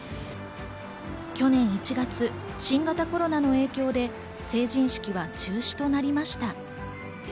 去年１月、新型コロナの影響で成人式は中止となりました。